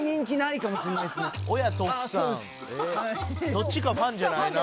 どっちかファンじゃないな。